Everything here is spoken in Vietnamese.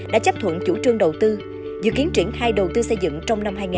đã chấp thuận chủ trương đầu tư dự kiến triển khai đầu tư xây dựng trong năm hai nghìn hai mươi